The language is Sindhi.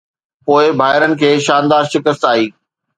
پوءِ ڀائرن کي ”شاندار“ شڪست آئي